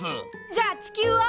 じゃあ地球は？